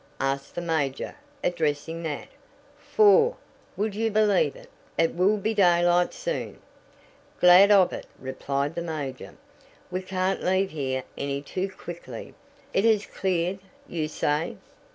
asked the major, addressing Nat. "Four! Would you believe it? It will be daylight soon." "Glad of it," replied the major. "We can't leave here any too quickly. It has cleared, you say?"